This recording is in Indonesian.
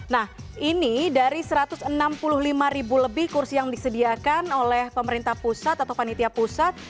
nah ini dari satu ratus enam puluh lima ribu lebih kursi yang disediakan oleh pemerintah pusat atau panitia pusat